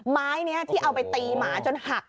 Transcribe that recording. ไม้นี้ที่เอาไปตีหมาจนหัก